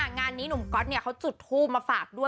งานนี้หนุ่มก๊อตเขาจุดทูปมาฝากด้วย